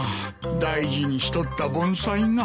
大事にしとった盆栽が。